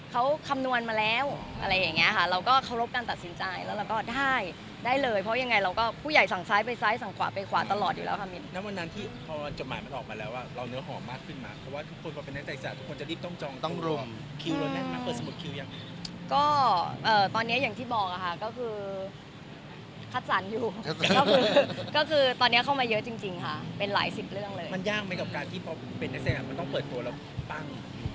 เขาคำนวณมาแล้วอะไรอย่างเงี้ยค่ะเราก็เคารพการตัดสินใจแล้วเราก็ได้ได้เลยเพราะยังไงเราก็ผู้ใหญ่สั่งซ้ายไปซ้ายสั่งขวาไปขวาตลอดอยู่แล้วค่ะมินน้ำวันนั้นที่พอจบหมายมันออกมาแล้วอ่ะเราเนื้อหอมมากขึ้นมาเพราะว่าทุกคนพอเป็นนักไตรศาสตร์ทุกคนจะรีบต้องจองต้องรุมคิวละแหละมาเปิดสมุดคิวยังก็เอ่อตอน